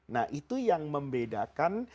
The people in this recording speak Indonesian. nah itu yang membedakan